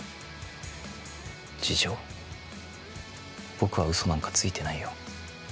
僕はうそなんかついてないよ。